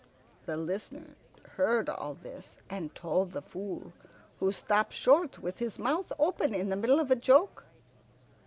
The Listener heard all this and told the Fool, who stopped short with his mouth open in the middle of a joke.